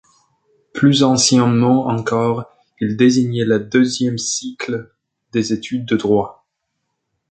Plus anciennement encore, il désignait le deuxième cycle des études de droit.